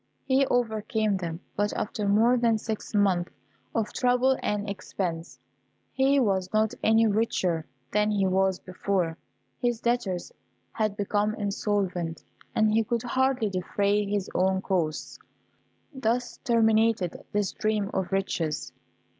He overcame them, but after more than six months of trouble and expense, he was not any richer than he was before. His debtors had become insolvent, and he could hardly defray his own costs. Thus terminated this dream of riches.